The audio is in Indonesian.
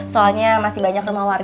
soalnya masih banyak rumah wakilnya ya